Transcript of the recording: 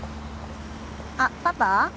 あっパパ？